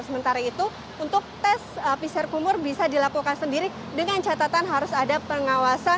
sementara itu untuk tes pcr kumur bisa dilakukan sendiri dengan catatan harus ada pengawasan